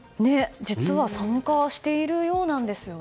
実は参加しているようなんです。